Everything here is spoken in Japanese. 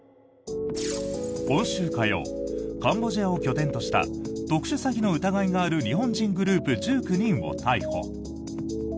今週火曜カンボジアを拠点とした特殊詐欺の疑いがある日本人グループ１９人を逮捕。